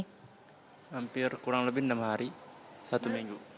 hampir kurang lebih enam hari satu minggu